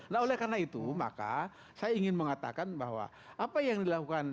nah oleh karena itu maka saya ingin mengatakan bahwa apa yang dilakukan